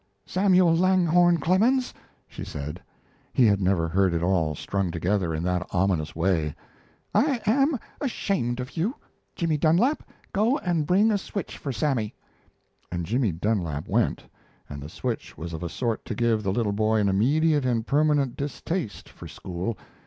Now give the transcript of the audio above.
"Samuel Langhorne Clemens," she said (he had never heard it all strung together in that ominous way), "I am ashamed of you! Jimmy Dunlap, go and bring a switch for Sammy." And Jimmy Dunlap went, and the switch was of a sort to give the little boy an immediate and permanent distaste for school.